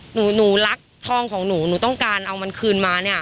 หนูรักทองของหนูหนูต้องการเอามันคืนมา